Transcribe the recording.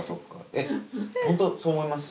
えっホントそう思います？